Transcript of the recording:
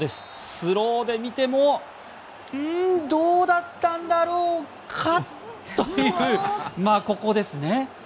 スローで見てもうーんどうだったんだろうかというここですね。